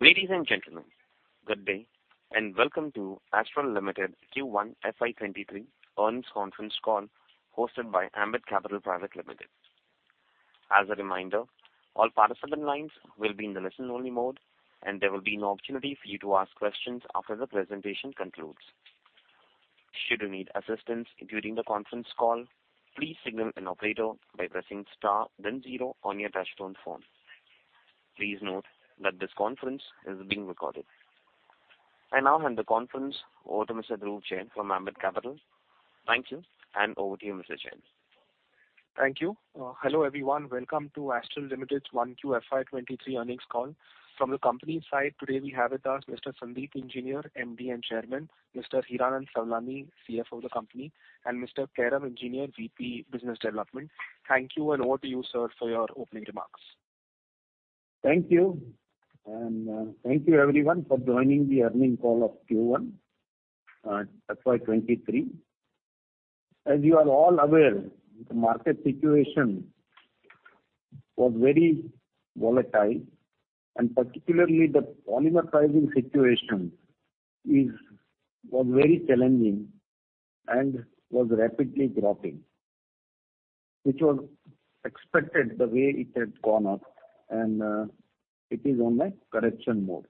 Ladies and gentlemen, good day, and welcome to Astral Limited Q1 FY23 earnings conference call, hosted by Ambit Capital Private Limited. As a reminder, all participant lines will be in the listen only mode, and there will be an opportunity for you to ask questions after the presentation concludes. Should you need assistance during the conference call, please signal an operator by pressing star then zero on your touchtone phone. Please note that this conference is being recorded. I now hand the conference over to Mr. Dhruv Jain from Ambit Capital. Thank you, and over to you, Mr. Jain. Thank you. Hello everyone. Welcome to Astral Limited's 1Q FY23 earnings call. From the company's side today we have with us Mr. Sandeep Engineer, MD and Chairman, Mr. Hiranand Savlani, CFO of the company, and Mr. Kairav Engineer, VP Business Development. Thank you, and over to you, sir, for your opening remarks. Thank you, and thank you everyone for joining the earnings call of Q1 FY 2023. As you are all aware, the market situation was very volatile, and particularly the polymer pricing situation was very challenging and was rapidly dropping, which was expected the way it had gone up, and it is on a correction mode.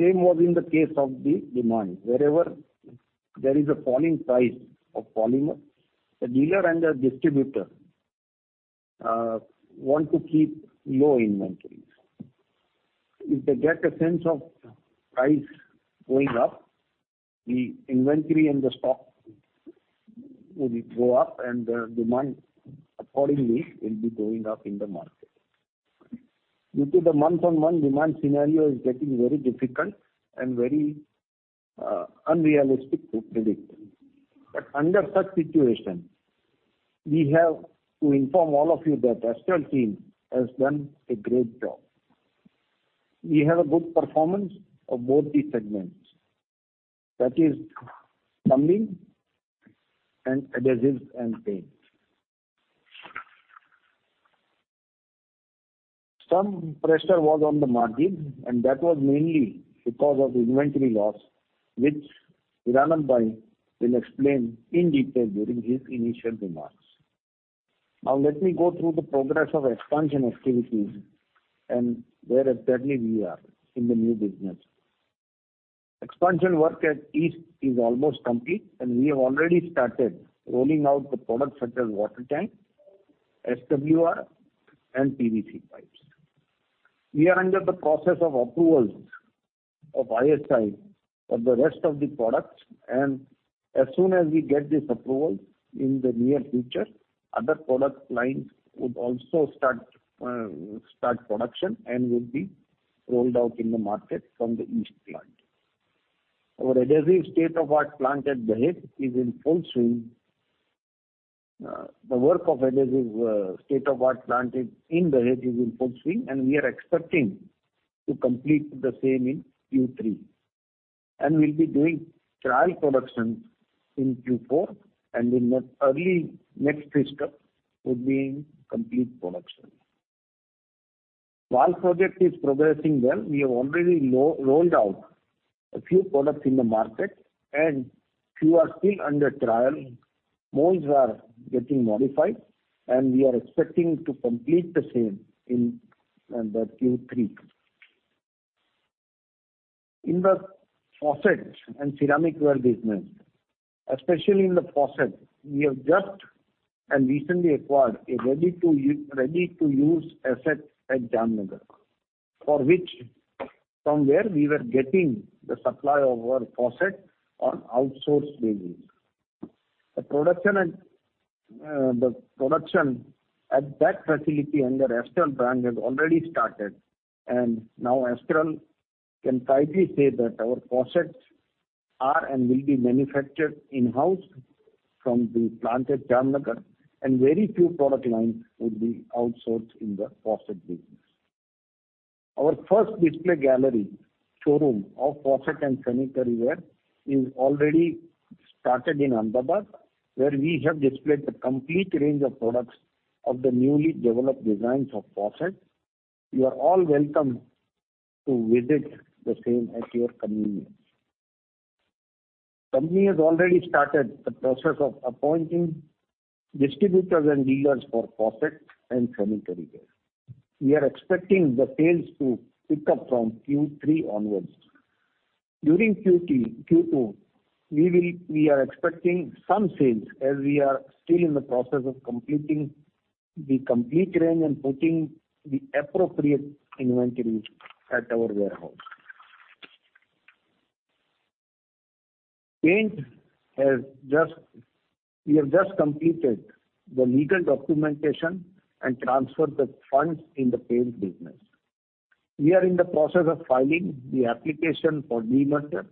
Same was in the case of the demand. Wherever there is a falling price of polymer, the dealer and the distributor want to keep low inventories. If they get a sense of price going up, the inventory and the stock will go up and the demand accordingly will be going up in the market. Due to the month-on-month demand scenario is getting very difficult and very unrealistic to predict. Under such situation, we have to inform all of you that Astral team has done a great job. We have a good performance of both the segments, that is plumbing and adhesives and paints. Some pressure was on the margin, and that was mainly because of inventory loss, which Hiranand Bhai will explain in detail during his initial remarks. Now let me go through the progress of expansion activities and where exactly we are in the new business. Expansion work at East is almost complete, and we have already started rolling out the products such as water tank, SWR, and PVC pipes. We are under the process of approvals of ISI for the rest of the products, and as soon as we get this approval in the near future, other product lines would also start production and will be rolled out in the market from the east plant. Our adhesives state-of-the-art plant at Dahej is in full swing. The work of adhesives state-of-the-art plant in Dahej is in full swing, and we are expecting to complete the same in Q3. We'll be doing trial production in Q4, and in the early next fiscal would be in complete production. Valve project is progressing well. We have already rolled out a few products in the market and few are still under trial. Molds are getting modified, and we are expecting to complete the same in Q3. In the faucet and ceramic ware business, especially in the faucet, we have just and recently acquired a ready to use asset at Jamnagar, for which from where we were getting the supply of our faucet on outsourced basis. The production at that facility under Astral brand has already started, and now Astral can proudly say that our faucets are and will be manufactured in-house from the plant at Jamnagar, and very few product lines would be outsourced in the faucet business. Our first display gallery showroom of faucet and sanitary ware is already started in Ahmedabad, where we have displayed the complete range of products of the newly developed designs of faucets. You are all welcome to visit the same at your convenience. Company has already started the process of appointing distributors and dealers for faucet and sanitary ware. We are expecting the sales to pick up from Q3 onwards. During Q2, we are expecting some sales as we are still in the process of completing the complete range and putting the appropriate inventory at our warehouse. We have just completed the legal documentation and transferred the funds in the paint business. We are in the process of filing the application for demerger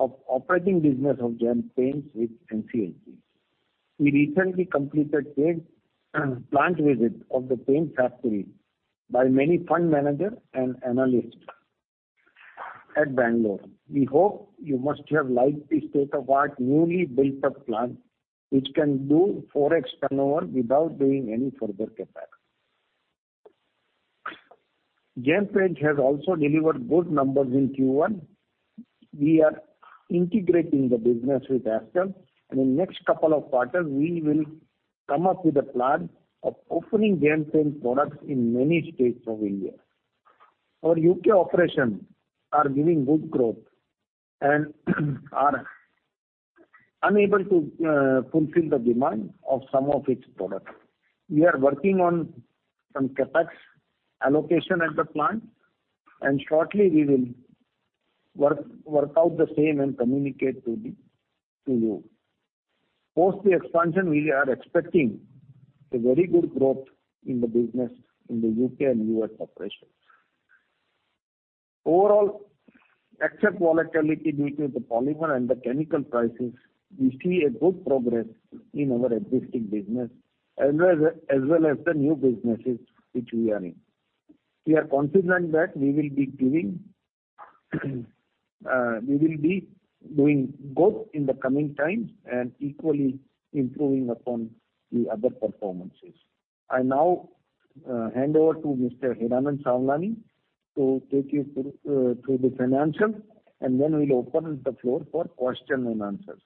of operating business of Gem Paints with NCLT. We recently completed paint plant visit of the paint factory by many fund managers and analysts at Bangalore. We hope you must have liked the state-of-the-art, newly built-up plant, which can do 4x turnover without doing any further CapEx. Gem Paints has also delivered good numbers in Q1. We are integrating the business with Astral, and in next couple of quarters, we will come up with a plan of opening Gem Paints products in many states of India. Our UK operation are giving good growth and are unable to fulfill the demand of some of its products. We are working on some CapEx allocation at the plant, and shortly we will work out the same and communicate to you. Post the expansion, we are expecting a very good growth in the business in the UK and US operations. Overall, except volatility due to the polymer and the chemical prices, we see a good progress in our existing business, as well, as well as the new businesses which we are in. We are confident that we will be doing good in the coming times and equally improving upon the other performances. I now hand over to Mr. Hiranand Savlani to take you through the financials, and then we'll open the floor for questions and answers.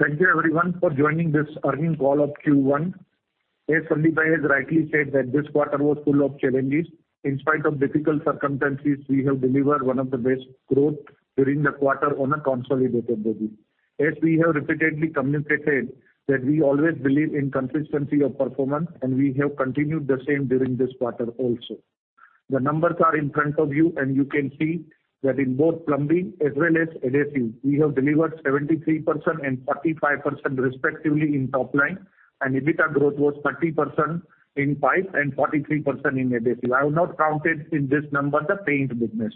Thank you everyone for joining this earnings call of Q1. As Sandeep has rightly said, that this quarter was full of challenges. In spite of difficult circumstances, we have delivered one of the best growth during the quarter on a consolidated basis. As we have repeatedly communicated that we always believe in consistency of performance, and we have continued the same during this quarter also. The numbers are in front of you, and you can see that in both plumbing as well as adhesives, we have delivered 73% and 35% respectively in top line, and EBITDA growth was 30% in pipe and 43% in adhesive. I have not counted in this number the paint business.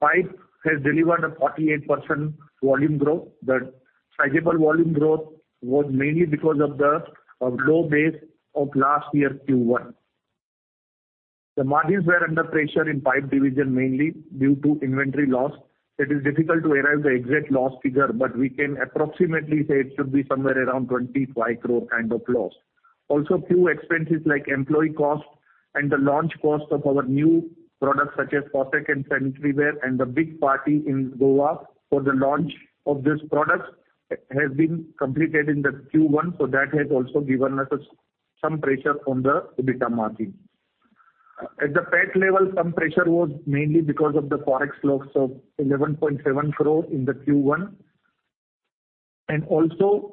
Pipe has delivered a 48% volume growth. The sizable volume growth was mainly because of the low base of last year's Q1. The margins were under pressure in pipe division mainly due to inventory loss. It is difficult to arrive the exact loss figure, but we can approximately say it should be somewhere around 25 crore kind of loss. Also, few expenses like employee cost and the launch cost of our new products such as faucet and sanitary ware and the big party in Goa for the launch of this product has been completed in the Q1, so that has also given us some pressure on the EBITDA margin. At the PAT level, some pressure was mainly because of the forex loss of 11.7 crore in the Q1 and also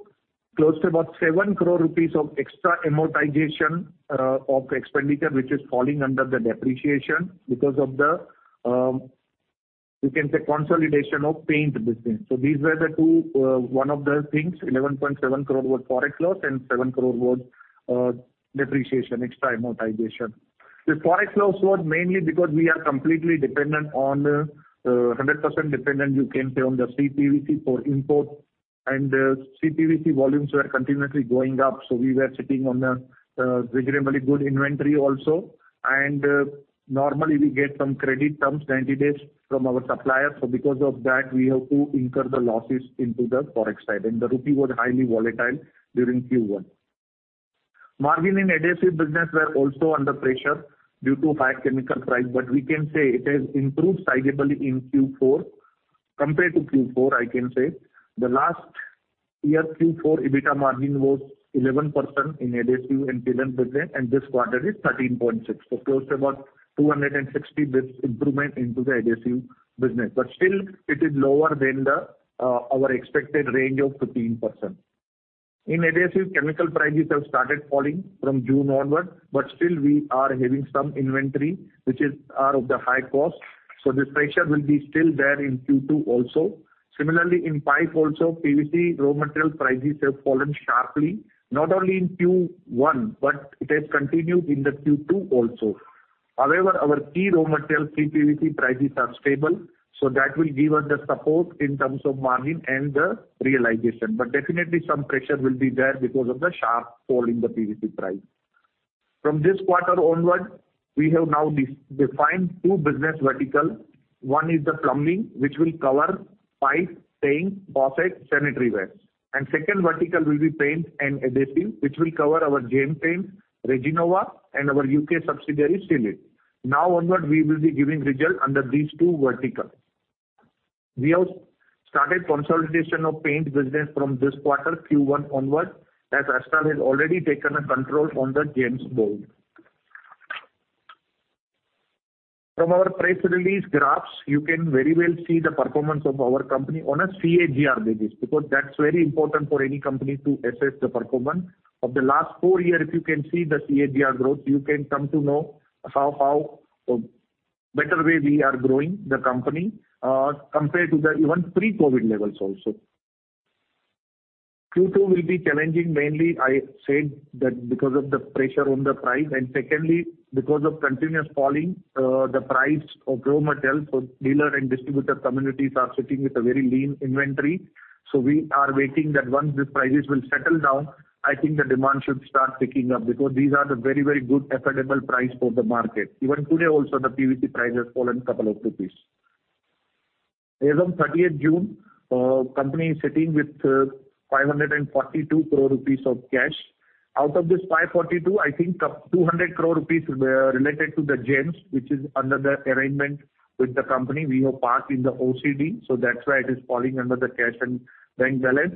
close to about 7 crore rupees of extra amortization of expenditure which is falling under the depreciation because of the, you can say consolidation of paint business. These were the two, one of the things, 11.7 crore was forex loss and 7 crore was depreciation, extra amortization. The forex loss was mainly because we are completely dependent, hundred percent, you can say, on the CPVC for import and CPVC volumes were continuously going up, so we were sitting on a reasonably good inventory also. Normally we get some credit terms, 90 days from our suppliers. Because of that, we have to incur the losses into the forex side. The rupee was highly volatile during Q1. Margin in adhesive business were also under pressure due to high chemical price, but we can say it has improved sizably in Q4. Compared to Q4, I can say the last year Q4 EBITDA margin was 11% in adhesive and sealant business, and this quarter is 13.6%. Close to about 260 basis points improvement into the adhesive business. Still it is lower than our expected range of 15%. In adhesives, chemical prices have started falling from June onward, but still we are having some inventory which are of the high cost. So this pressure will be still there in Q2 also. Similarly, in pipe also PVC raw material prices have fallen sharply, not only in Q1 but it has continued in the Q2 also. However, our key raw material, CPVC prices are stable, so that will give us the support in terms of margin and the realization. But definitely some pressure will be there because of the sharp fall in the PVC price. From this quarter onward, we have now defined two business vertical. One is the plumbing, which will cover pipe, tank, faucet, sanitary ware. Second vertical will be paint and adhesive, which will cover our Gem Paints, Resinova and our UK subsidiary, Seal It. Now onward, we will be giving results under these two verticals. We have started consolidation of paint business from this quarter, Q1 onward, as Astral has already taken control on the Gem Paints' board. From our press release graphs, you can very well see the performance of our company on a CAGR basis, because that's very important for any company to assess the performance. Of the last four years, if you can see the CAGR growth, you can come to know how better way we are growing the company, compared to the even pre-COVID levels also. Q2 will be challenging mainly, I said that because of the pressure on the price and secondly, because of continuous falling, the price of raw material. Dealer and distributor communities are sitting with a very lean inventory. We are waiting that once these prices will settle down, I think the demand should start picking up because these are the very, very good affordable price for the market. Even today also, the PVC price has fallen a couple of rupees. As of 30th June, company is sitting with 542 crore rupees of cash. Out of this 542, I think of 200 crore rupees were related to the Gem Paints, which is another arrangement with the company. We have parked in the OCD, so that's why it is falling under the cash and bank balance.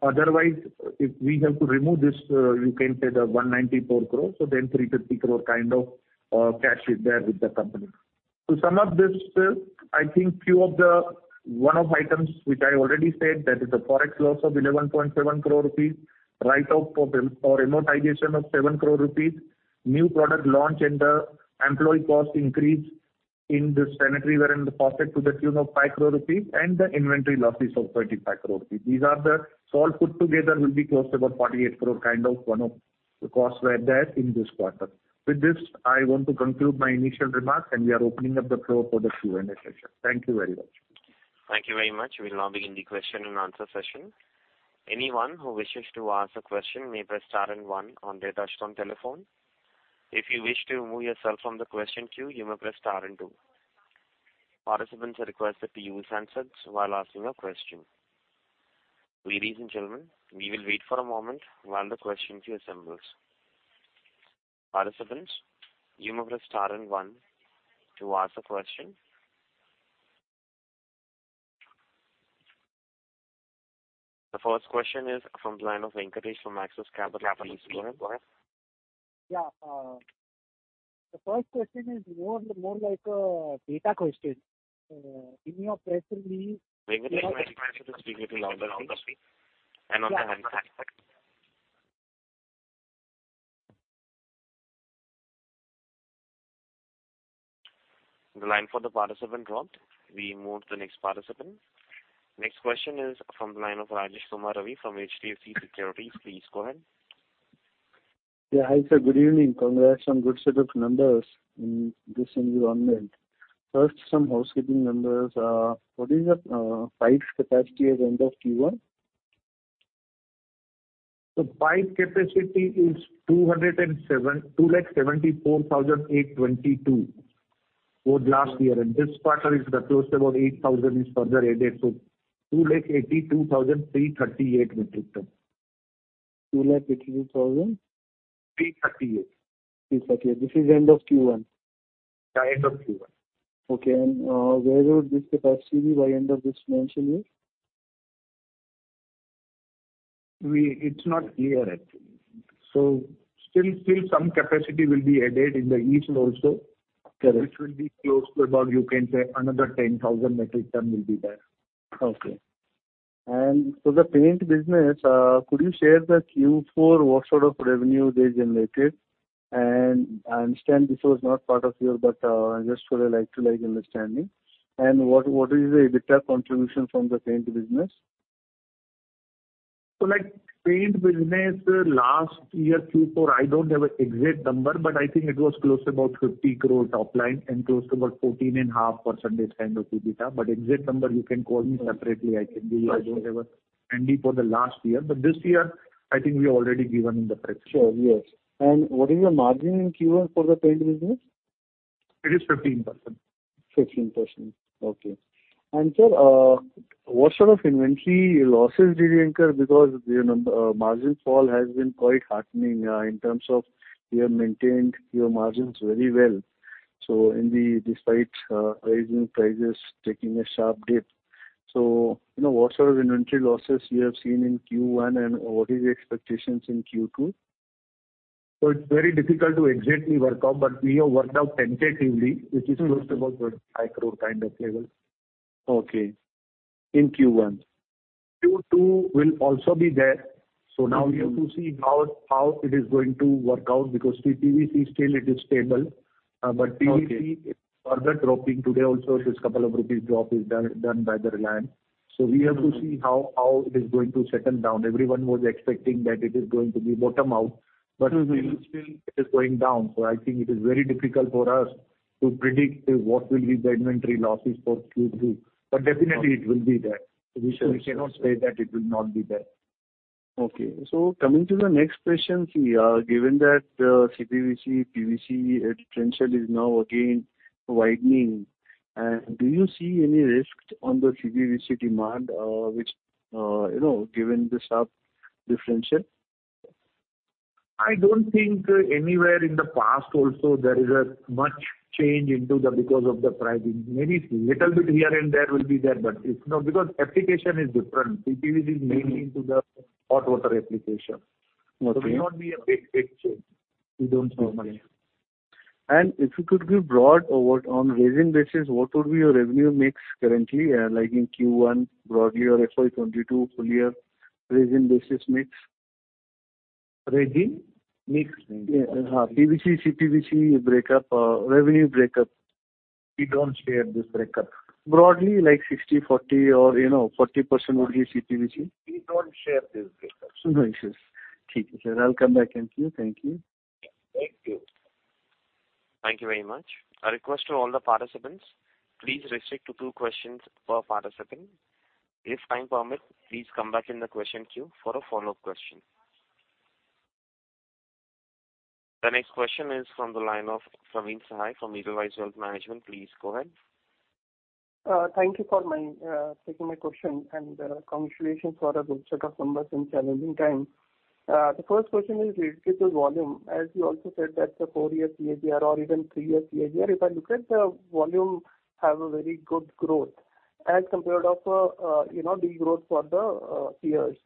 Otherwise, if we have to remove this, you can say the 194 crore, so then 350 crore kind of cash is there with the company. To sum up this, I think few of the one-off items which I already said, that is the Forex loss of 11.7 crore rupees, write-off or amortization of 7 crore rupees, new product launch and the employee cost increase in this January were in the profit to the tune of 5 crore rupees, and the inventory losses of 35 crore rupees. These are all put together will be close to about 48 crore kind of one-off costs were there in this quarter. With this, I want to conclude my initial remarks, and we are opening up the floor for the Q&A session. Thank you very much. Thank you very much. We'll now begin the question and answer session. Anyone who wishes to ask a question may press star and one on their touch-tone telephone. If you wish to remove yourself from the question queue, you may press star and two. Participants are requested to use handsets while asking a question. Ladies and gentlemen, we will wait for a moment while the question queue assembles. Participants, you may press star and one to ask a question. The first question is from the line of Venkatesh from Axis Capital. Go ahead. Yeah. The first question is more like a data question. In your press release- Venkatesh, I request you to speak little louder on the phone and on the handset. Yeah. The line for the participant dropped. We move to the next participant. Next question is from the line of Rajesh Kumar Ravi from HDFC Securities. Please go ahead. Yeah. Hi, sir. Good evening. Congrats on good set of numbers in this environment. First, some housekeeping numbers. What is your pipes capacity at the end of Q1? The pipe capacity is 274,822 for the last year. This quarter is close to about 8,000 is further added, so 282,338 metric ton. INR 282,000? 3:38. 3:38. This is end of Q1. Yeah, end of Q1. Okay. Where would this capacity be by end of this financial year? It's not clear, actually. Still some capacity will be added in the East also. Correct. Which will be close to about, you can say, another 10,000 metric tons will be there. Okay. For the paint business, could you share the Q4, what sort of revenue they generated? I understand this was not part of your, but, just for a like to like understanding. What is the EBITDA contribution from the paint business? Like paint business, last year Q4, I don't have an exact number, but I think it was close to about 50 crore top line and close to about 14.5% kind of EBITDA. Exact number you can call me separately. I can give you. Sure. I don't have a handout for the last year, but this year I think we already given in the press. Sure. Yes. What is your margin in Q1 for the paint business? It is 15%. 15%. Okay. Sir, what sort of inventory losses did you incur because, you know, margin fall has been quite heartening, in terms of you have maintained your margins very well. So, in spite of rising prices taking a sharp dip. You know, what sort of inventory losses you have seen in Q1, and what is the expectations in Q2? It's very difficult to exactly work out, but we have worked out tentatively, which is close to about 35 crore kind of level. Okay. In Q1. Q2 will also be there. Okay. Now we have to see how it is going to work out because CPVC still it is stable. But PVC- Okay. It is further dropping. Today also it is a couple of rupees drop is done by the Reliance. We have to see how it is going to settle down. Everyone was expecting that it is going to bottom out, but we will still it is going down. I think it is very difficult for us to predict what will be the inventory losses for Q2. But definitely it will be there. Sure. We cannot say that it will not be there. Okay. Coming to the next question. Given that, CPVC, PVC differential is now again widening, and do you see any risk on the CPVC demand, which, you know, given the sharp differential? I don't think anywhere in the past also there is much change in the business because of the pricing. Maybe a little bit here and there will be there, but it's not because application is different. CPVC is mainly into the hot water application. Okay. It won't be a big change. You don't know. Normally. If you could give broad overview on resin basis, what would be your revenue mix currently, like in Q1 broadly or FY 2022 full year resin basis mix? Resin mix? PVC, CPVC breakup, revenue breakup. We don't share this breakup. Broadly, like 60%-40% or, you know, 40% only CPVC. We don't share this breakup. No issues. Okay. Sir, I'll come back to you. Thank you. Thank you. Thank you very much. A request to all the participants, please restrict to two questions per participant. If time permits, please come back in the question queue for a follow-up question. The next question is from the line of Praveen Sahay from Edelweiss Wealth Management. Please go ahead. Thank you for taking my question, and congratulations for a good set of numbers in challenging time. The first question is related to volume. As you also said that the four-year CAGR or even three-year CAGR, if I look at the volume, have a very good growth as compared to, you know, degrowth for the peers.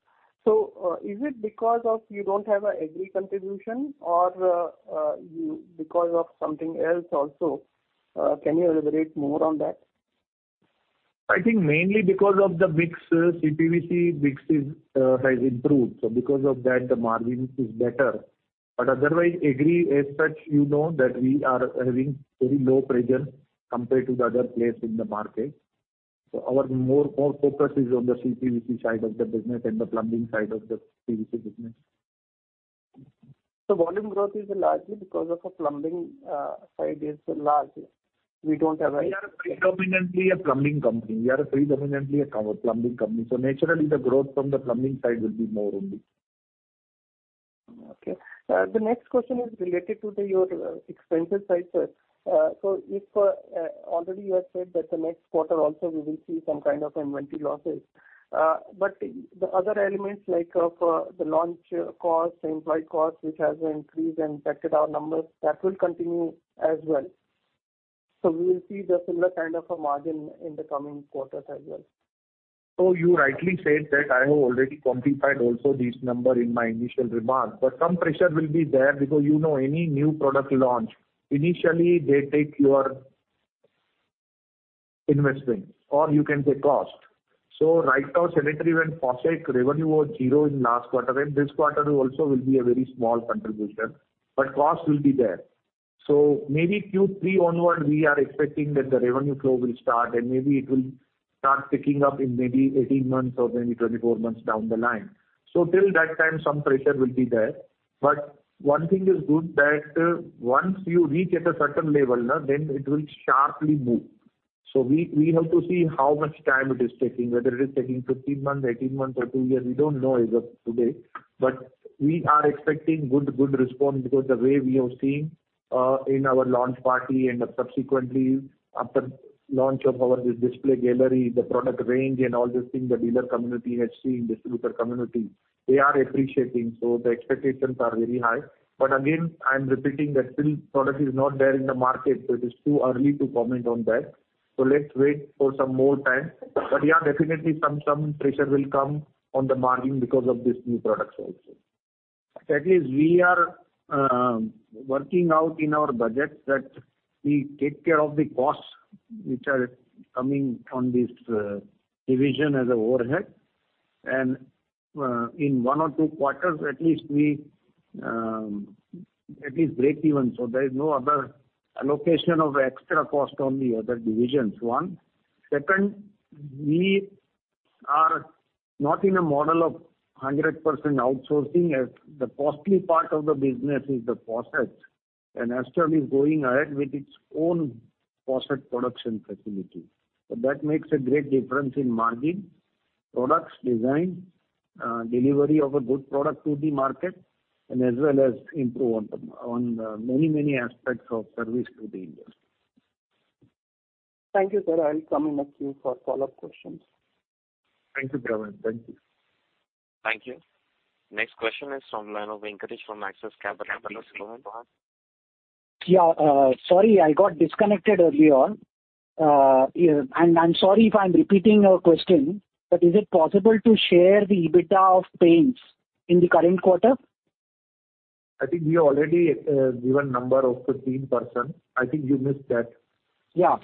Is it because you don't have Agri contribution or because of something else also? Can you elaborate more on that? I think mainly because of the mix, CPVC mix is, has improved, so because of that, the margin is better. Otherwise, Agri as such, you know that we are having very low presence compared to the other players in the market. Our more focus is on the CPVC side of the business and the plumbing side of the PVC business. Volume growth is largely because of the plumbing side is large. We are predominantly a core plumbing company, so naturally the growth from the plumbing side will be more only. Okay. The next question is related to your expenses side, sir. If already you have said that the next quarter also we will see some kind of inventory losses. The other elements like for the launch cost, the employee cost, which has increased and affected our numbers, that will continue as well. We will see the similar kind of a margin in the coming quarters as well. You rightly said that I have already quantified also this number in my initial remarks. Some pressure will be there because you know any new product launch, initially they take your investment or you can say cost. Right now, sanitaryware and faucet revenue was zero in last quarter, and this quarter also will be a very small contribution, but cost will be there. Maybe Q3 onward, we are expecting that the revenue flow will start and maybe it will start picking up in maybe 18 months or maybe 24 months down the line. Till that time, some pressure will be there. One thing is good, that once you reach at a certain level, then it will sharply move. We have to see how much time it is taking, whether it is taking 15 months, 18 months or two years, we don't know as of today. We are expecting good response because the way we have seen, in our launch party and subsequently after launch of our display gallery, the product range and all these things the dealer community has seen, distributor community, they are appreciating, so the expectations are very high. Again, I am repeating that still product is not there in the market, so it is too early to comment on that. Let's wait for some more time. Yeah, definitely some pressure will come on the margin because of these new products also. At least we are working out in our budget that we take care of the costs which are coming on this division as a overhead. In one or two quarters at least we break even. There is no other allocation of extra cost on the other divisions, one. Second, we are not in a model of 100% outsourcing as the costly part of the business is the faucet, and Astral is going ahead with its own faucet production facility. That makes a great difference in margin, products design, delivery of a good product to the market, and as well as improve on the many, many aspects of service to the industry. Thank you, sir. I'll come in the queue for follow-up questions. Thank you, Praveen. Thank you. Thank you. Next question is from line of Venkatesh from Axis Capital. Please go ahead, Venkatesh. Sorry I got disconnected earlier on. I'm sorry if I'm repeating your question, but is it possible to share the EBITDA of paints in the current quarter? I think we already given number of 15%. I think you missed that. Yeah.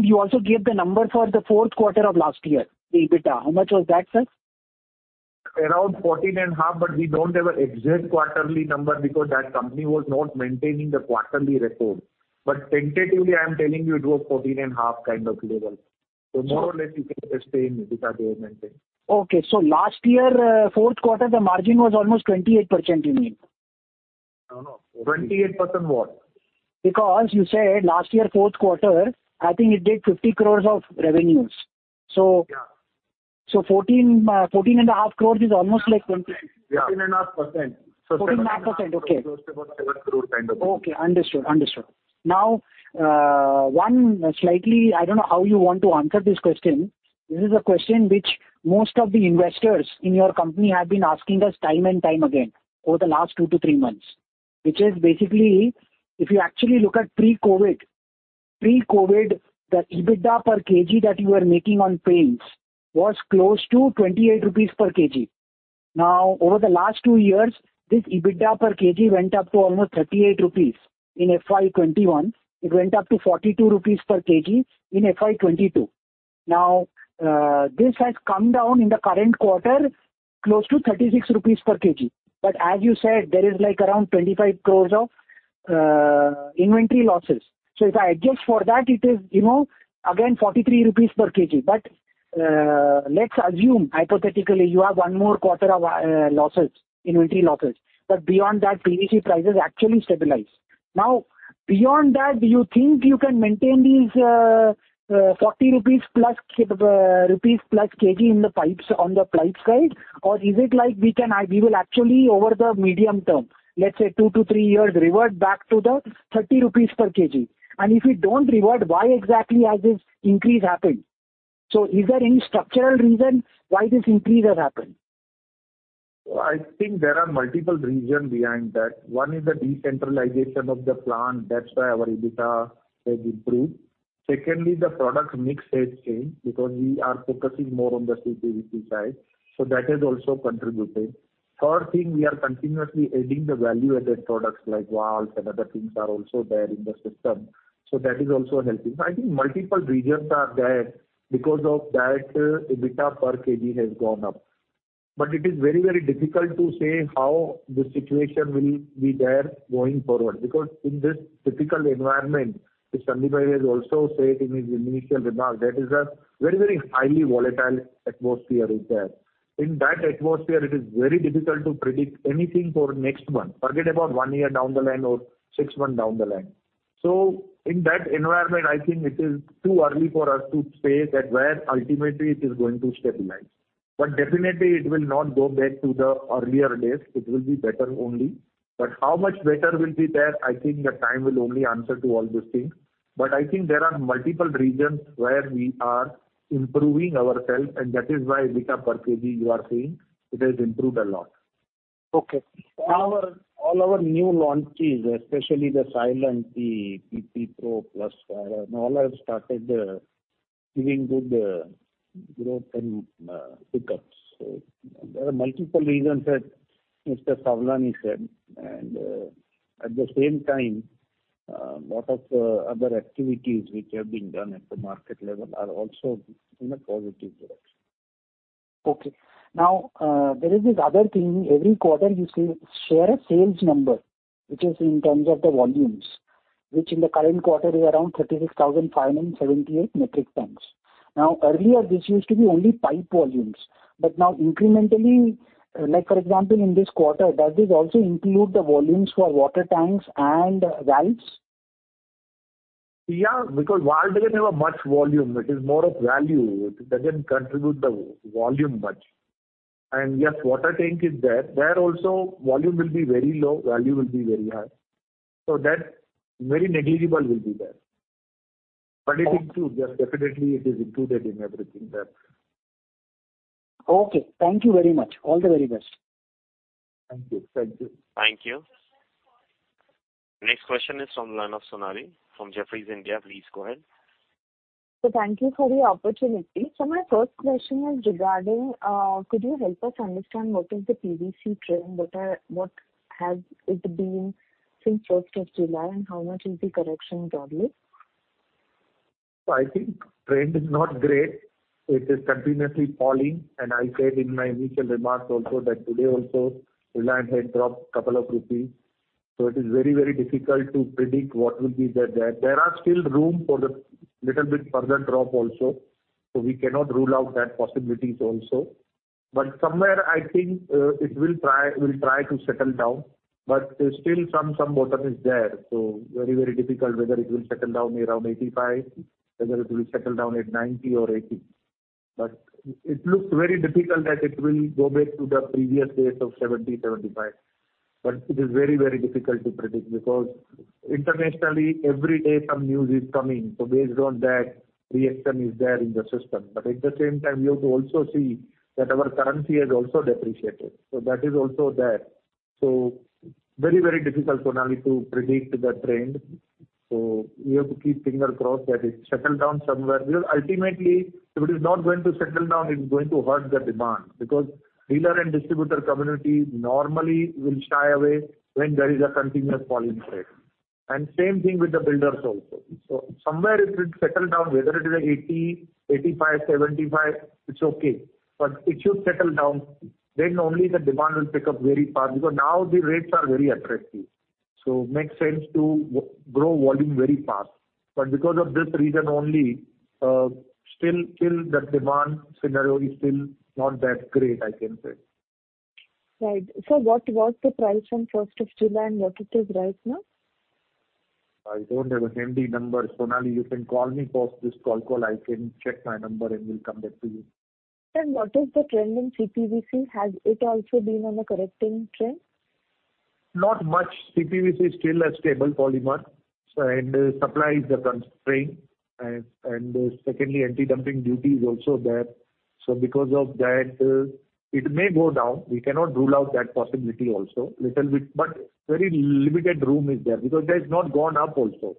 You also gave the number for the Q4 of last year, the EBITDA. How much was that, sir? Around 14.5, but we don't have an exact quarterly number because that company was not maintaining the quarterly report. Tentatively, I am telling you it was 14.5 kind of level. More or less you can just take the EBITDA they are maintaining. Okay. Last year, Q4, the margin was almost 28% you made. No, no. 28% what? Because you said last year, Q4, I think it did 50 crores of revenues. Yeah. 14 and a half crores is almost like twenty- 14%, yeah. 14.5%. 14.5%. Okay. 77 crore kind of thing. Okay. Understood. Now, I don't know how you want to answer this question. This is a question which most of the investors in your company have been asking us time and time again over the last two to three months, which is basically, if you actually look at pre-COVID, the EBITDA per kg that you were making on paints was close to 28 rupees per kg. Now, over the last two years, this EBITDA per kg went up to almost 38 rupees in FY 2021. It went up to 42 rupees per kg in FY 2022. Now, this has come down in the current quarter close to 36 rupees per kg. But as you said, there is like around 25 crores of inventory losses. So if I adjust for that, it is, you know, again 43 rupees per kg. Let's assume hypothetically, you have one more quarter of losses, inventory losses, but beyond that PVC prices actually stabilize. Now, beyond that, do you think you can maintain these 40 rupees per kg in the pipes on the pipes side? Or is it like we will actually over the medium term, let's say 2-3 years, revert back to the 30 rupees per kg. If we don't revert, why exactly has this increase happened? Is there any structural reason why this increase has happened? I think there are multiple reasons behind that. One is the decentralization of the plant. That's why our EBITDA has improved. Secondly, the product mix has changed because we are focusing more on the CPVC side, so that has also contributed. Third thing, we are continuously adding the value-added products like valves and other things are also there in the system, so that is also helping. I think multiple reasons are there. Because of that, EBITDA per kg has gone up. But it is very, very difficult to say how the situation will be there going forward. Because in this difficult environment, as Sandeep has also said in his initial remarks, there is a very, very highly volatile atmosphere is there. In that atmosphere, it is very difficult to predict anything for next month. Forget about one year down the line or six months down the line. In that environment, I think it is too early for us to say that where ultimately it is going to stabilize. Definitely it will not go back to the earlier days. It will be better only. How much better will be there, I think the time will only answer to all those things. I think there are multiple reasons where we are improving ourselves, and that is why EBITDA per kg, you are seeing, it has improved a lot. Okay. All our new launches, especially the Astral Silencio, Astral Drain Pro and all have started giving good growth and pickups. There are multiple reasons that Mr. Savlani said. At the same time, lot of other activities which have been done at the market level are also in a positive direction. Okay. Now, there is this other thing. Every quarter you share a sales number, which is in terms of the volumes, which in the current quarter is around 36,578 metric tons. Now, earlier, this used to be only pipe volumes, but now incrementally, like for example in this quarter, does this also include the volumes for water tanks and valves? Yeah, because valve doesn't have a much volume. It is more of value. It doesn't contribute the volume much. Yes, water tank is there. There also volume will be very low, value will be very high. That very negligible will be there. It includes, yes, definitely it is included in everything there. Okay. Thank you very much. All the very best. Thank you. Thank you. Thank you. Next question is from Sonali Salgaonkar from Jefferies India. Please go ahead. Thank you for the opportunity. My first question is regarding could you help us understand what is the PVC trend? What has it been since first of July, and how much is the correction probably? I think trend is not great. It is continuously falling. I said in my initial remarks also that today also Reliance had dropped couple of rupees. It is very, very difficult to predict what will be there. There are still room for the little bit further drop also. We cannot rule out that possibilities also. Somewhere, I think, it will try to settle down. Still some bottom is there. It is very, very difficult whether it will settle down around 85, whether it will settle down at 90 or 80. It looks very difficult that it will go back to the previous days of 70, 75. It is very, very difficult to predict because internationally, every day some news is coming. Based on that, reaction is there in the system. At the same time, we have to also see that our currency has also depreciated. That is also there. Very, very difficult, Sonali, to predict the trend. We have to keep finger crossed that it settle down somewhere. Because ultimately, if it is not going to settle down, it's going to hurt the demand because dealer and distributor community normally will shy away when there is a continuous falling trend. Same thing with the builders also. Somewhere it will settle down, whether it is at 80, 85, 75, it's okay. It should settle down. Only the demand will pick up very fast, because now the rates are very attractive. Makes sense to grow volume very fast. Because of this reason only, still the demand scenario is still not that great, I can say. Right. What was the price on first of July and what it is right now? I don't have the MD numbers, Sonali. You can call me post this call. I can check my number and will come back to you. What is the trend in CPVC? Has it also been on a correcting trend? Not much. CPVC is still a stable polymer, so and supply is the constraint. Secondly, anti-dumping duty is also there. Because of that, it may go down. We cannot rule out that possibility also. Little bit, but very limited room is there because that has not gone up also.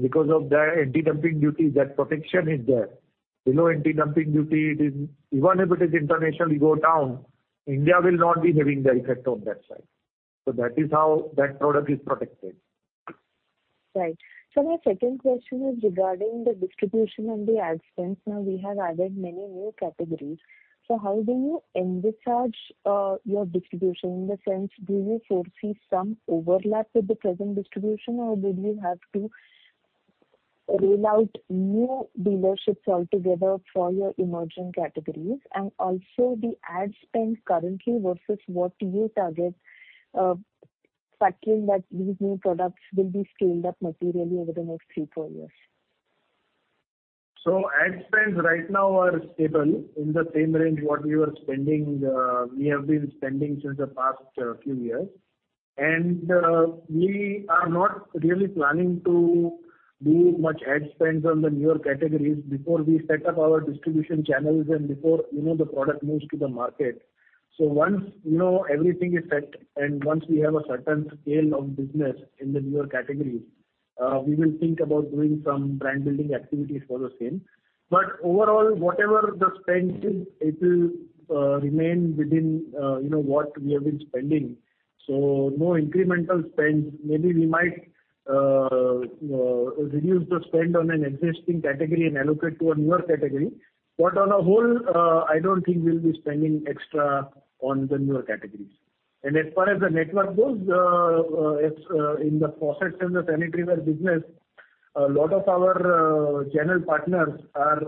Because of the anti-dumping duty, that protection is there. Below anti-dumping duty, it is even if it is internationally go down, India will not be having the effect on that side. That is how that product is protected. Right. My second question is regarding the distribution and the ad spends. Now we have added many new categories. How do you envisage your distribution? In the sense, do you foresee some overlap with the present distribution or did you have to roll out new dealerships altogether for your emerging categories, and also the ad spend currently versus what you target, factoring that these new products will be scaled up materially over the next 3-4 years. Ad spends right now are stable in the same range what we have been spending since the past few years. We are not really planning to do much ad spends on the newer categories before we set up our distribution channels and before, you know, the product moves to the market. Once, you know, everything is set and once we have a certain scale of business in the newer categories, we will think about doing some brand building activities for the same. Overall, whatever the spend is, it will remain within, you know, what we have been spending. No incremental spends. Maybe we might reduce the spend on an existing category and allocate to a newer category. On the whole, I don't think we'll be spending extra on the newer categories. As far as the network goes, it's in the faucet and the sanitary ware business, a lot of our channel partners are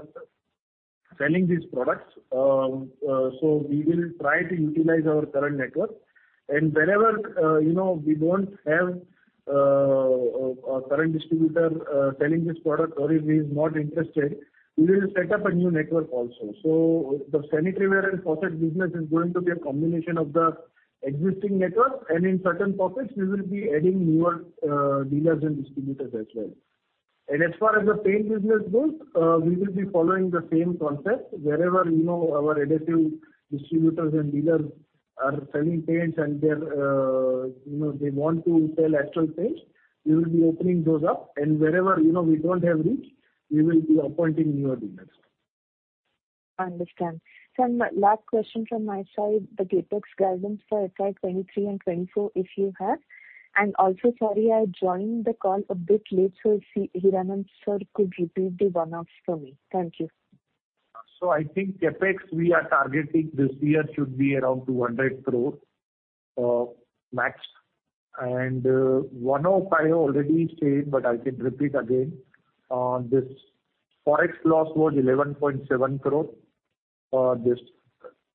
selling these products. We will try to utilize our current network. Wherever, you know, we don't have a current distributor selling this product or if he's not interested, we will set up a new network also. The sanitary ware and faucet business is going to be a combination of the existing network, and in certain pockets we will be adding newer dealers and distributors as well. As far as the paint business goes, we will be following the same concept. Wherever, you know, our adhesives distributors and dealers are selling paints and they're, you know, they want to sell Astral paints, we will be opening those up. Wherever, you know, we don't have reach, we will be appointing newer dealers. Understand. Some last question from my side, the CapEx guidance for FY 2023 and 2024, if you have. Also, sorry, I joined the call a bit late, so if Hiranand sir could repeat the one-offs for me. Thank you. I think CapEx we are targeting this year should be around 200 crore, max. One, Kairav already said, but I can repeat again. This Forex loss was 11.7 crore. This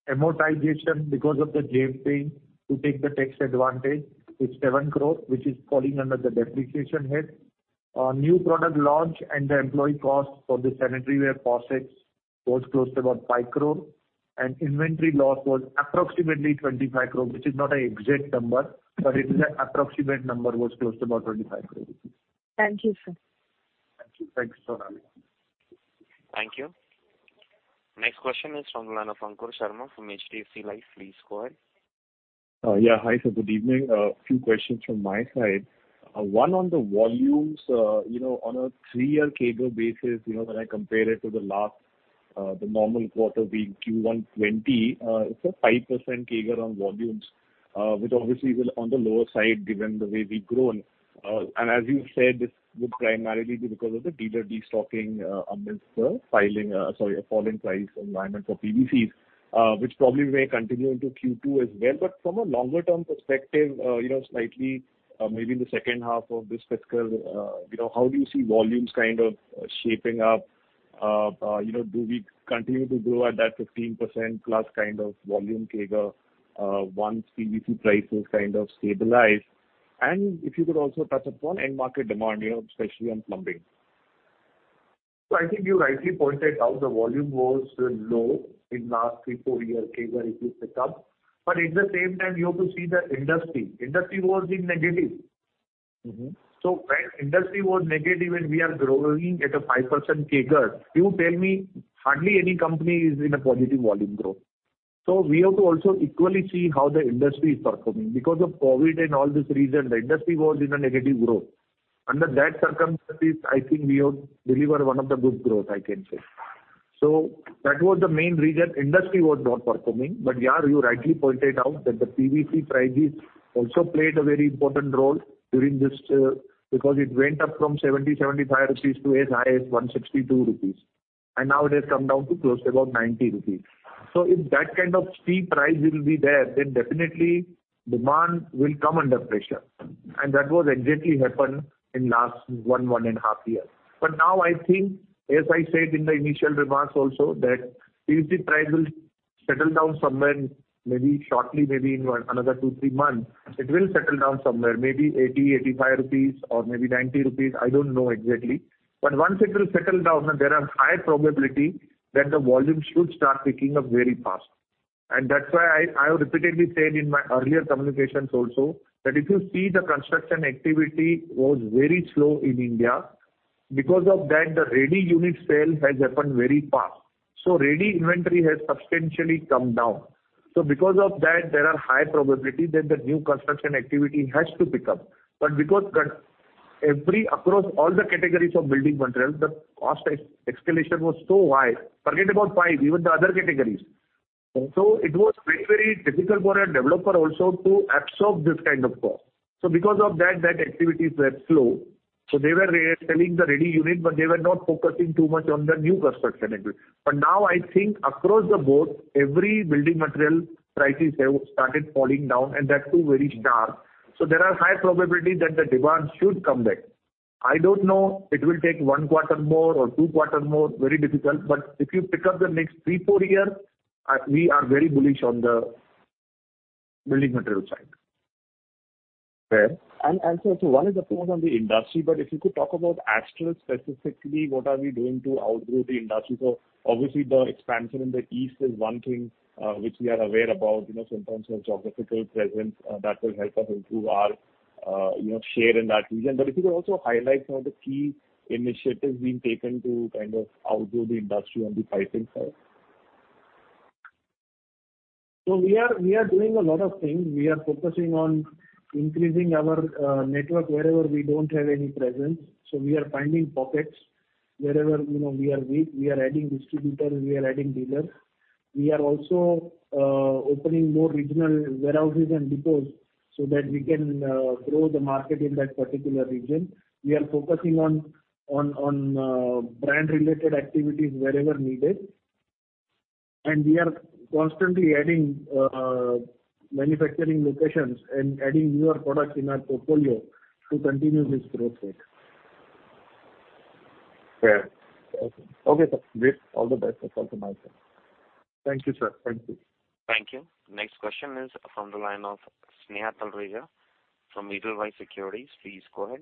amortization because of the JVP to take the tax advantage is 7 crore, which is falling under the depreciation head. New product launch and the employee cost for the sanitary ware faucets was close to about 5 crore. Inventory loss was approximately 25 crore, which is not an exact number, but it is an approximate number, was close to about 25 crore. Thank you, sir. Thank you. Thanks, Sonali. Thank you. Next question is from the line of Ankur Sharma from HDFC Life, please go ahead. Yeah. Hi, sir. Good evening. A few questions from my side. One on the volumes. You know, on a three-year CAGR basis, you know, when I compare it to the last, the normal quarter being Q1 2020, it's a 5% CAGR on volumes. Which obviously will on the lower side given the way we've grown. And as you said, this would primarily be because of the dealer destocking amidst a falling price environment for PVCs, which probably may continue into Q2 as well. From a longer term perspective, you know, slightly, maybe in the H2 of this fiscal, you know, how do you see volumes kind of shaping up? You know, do we continue to grow at that 15%+ kind of volume CAGR once PVC prices kind of stabilize? If you could also touch upon end market demand, you know, especially on plumbing. I think you rightly pointed out the volume was low in last 3-4 year CAGR. It has picked up. At the same time, you have to see the industry. Industry was in negative. Mm-hmm. When industry was negative and we are growing at a 5% CAGR, you tell me hardly any company is in a positive volume growth. We have to also equally see how the industry is performing. Because of COVID and all this reason, the industry was in a negative growth. Under that circumstances, I think we have delivered one of the good growth, I can say. That was the main reason industry was not performing. But yeah, you rightly pointed out that the PVC prices also played a very important role during this, because it went up from 75 rupees to as high as 162 rupees, and now it has come down to close to about 90 rupees. If that kind of steep rise will be there, then definitely demand will come under pressure. That was exactly what happened in the last 1-1½ years. Now I think, as I said in the initial remarks also, that PVC price will settle down somewhere maybe shortly, maybe in another 2-3 months. It will settle down somewhere, maybe 80-85 rupees or maybe 90 rupees, I don't know exactly. Once it will settle down, there is high probability that the volume should start picking up very fast. That's why I have repeatedly said in my earlier communications also that if you see the construction activity was very slow in India. Because of that, the ready unit sale has happened very fast. Ready inventory has substantially come down. Because of that, there is high probability that the new construction activity has to pick up. Because every across all the categories of building materials, the cost escalation was so high, forget about pipe, even the other categories. It was very, very difficult for a developer also to absorb this kind of cost. Because of that activities were slow. They were re-selling the ready unit, but they were not focusing too much on the new construction activity. Now I think across the board, every building material prices have started falling down, and that too very sharp. There are high probability that the demand should come back. I don't know it will take one quarter more or two quarters more, very difficult. If you pick up the next three, four years, we are very bullish on the building material side. Fair. One is, of course, on the industry, but if you could talk about Astral specifically, what are we doing to outgrow the industry? Obviously the expansion in the East is one thing, which we are aware about, you know, so in terms of geographical presence, that will help us improve our, you know, share in that region. If you could also highlight some of the key initiatives being taken to kind of outdo the industry on the piping side. We are doing a lot of things. We are focusing on increasing our network wherever we don't have any presence. We are finding pockets wherever, you know, we are weak. We are adding distributors, we are adding dealers. We are also opening more regional warehouses and depots so that we can grow the market in that particular region. We are focusing on brand-related activities wherever needed. We are constantly adding manufacturing locations and adding newer products in our portfolio to continue this growth rate. Fair. Okay. Okay, sir. Great. All the best. Thank you, sir. Thank you. Thank you. Next question is from the line of Sneha Talreja from Edelweiss Securities. Please go ahead.